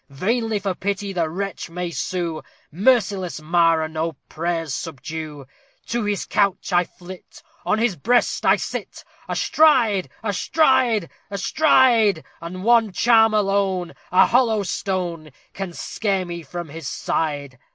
Vainly for pity the wretch may sue Merciless Mara no prayers subdue! _To his couch I flit On his breast I sit! Astride! astride! astride! And one charm alone A hollow stone! Can scare me from his side!